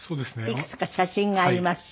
いくつか写真があります。